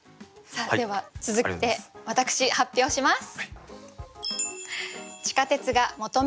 では続いて私発表します。